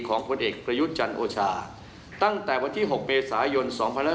ผลเอกประยุทธ์จันทร์โอชาตั้งแต่วันที่๖เมษายน๒๕๖๒